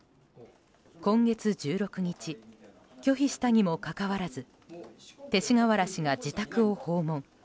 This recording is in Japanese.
今月１６日拒否したにもかかわらず勅使河原氏が自宅を訪問。